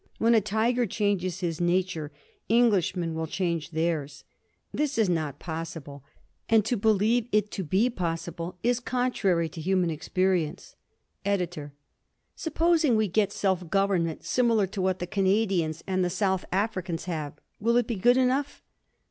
When a tiger changes his nature, Englishmen will change theirs. This is not possible, and to believe it to be possible is contrary to human experience. EDITOR: Supposing we get self government similar to what the Canadians and the South Africans have, will it be good enough?